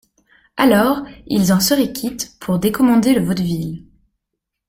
Alors ils en seraient quittes pour décommander le vaudeville.